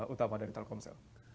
utama dari telkomsel